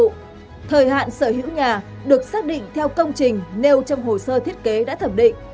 thời hạn sở hữu nhà được xác định theo công trình nêu trong hồ sơ thiết kế đã thẩm định